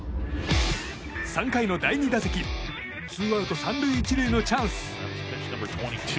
３回の第２打席ツーアウト３塁１塁のチャンス。